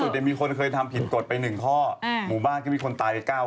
คือล่าสุดมีคนเคยทำผิดกฎไป๑ข้อหมู่บ้านก็มีคนตาย๙คน